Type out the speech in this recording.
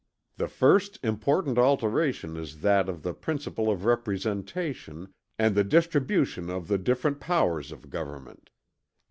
"The first important alteration is that of the principle of representation and the distribution of the different powers of government.